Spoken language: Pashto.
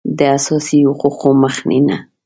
د اساسي حقوقو مخینه